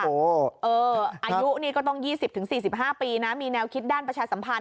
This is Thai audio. อายุนี่ก็ต้อง๒๐๔๕ปีนะมีแนวคิดด้านประชาสัมพันธ